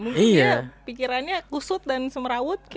mungkin dia pikirannya kusut dan semerawut kan